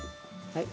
はい。